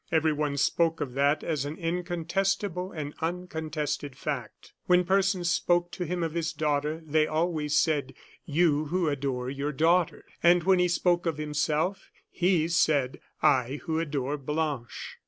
Everyone spoke of that as an incontestable and uncontested fact. When persons spoke to him of his daughter, they always said: "You, who adore your daughter " And when he spoke of himself, he said: "I who adore Blanche."